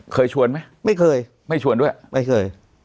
เคยชวนไหมไม่เคยไม่เคย